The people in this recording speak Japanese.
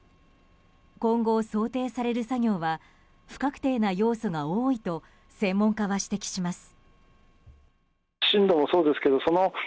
今後、想定される作業は不確定な要素が多いと専門家は指摘します。